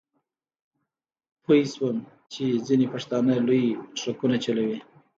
پوی شوم چې ځینې پښتانه لوی ټرکونه چلوي.